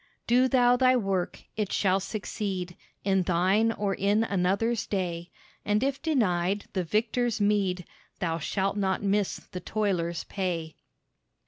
"Do thou thy work: it shall succeed In thine or in another's day; And if denied the victor's meed, Thou shalt not miss the toiler's pay."